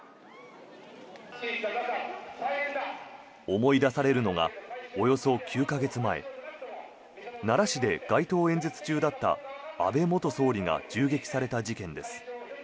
思い出されるのがおよそ９か月前奈良市で街頭演説中だった安倍元総理が銃撃された事件です。